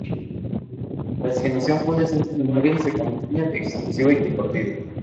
La asignación puede ser primaria, secundaria, exclusiva y compartida.